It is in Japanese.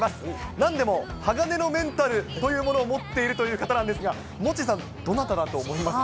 なんでも鋼のメンタルというものを持っているという方なんですが、モッチーさん、どなただと思いますか。